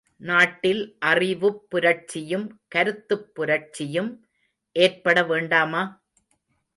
நாட்டில் அறிவுப் புரட்சியும் கருத்துப் புரட்சியும் ஏற்பட வேண்டாமா?